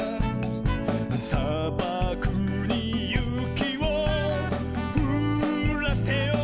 「さばくにゆきをふらせよう」